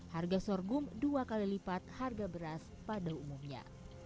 harga sorghum dua kali lipat harga beras pada umumnya